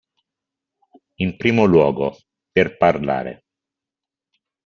In primo luogo, per parlare.